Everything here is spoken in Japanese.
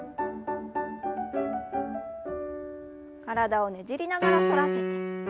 体をねじりながら反らせて。